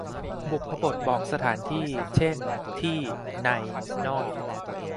บุพบทบอกสถานที่ เช่น ที่ ใน นอก